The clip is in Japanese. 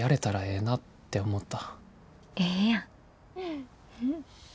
ええやん。